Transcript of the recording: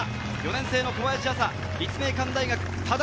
４年生の小林朝、立命館大学ただ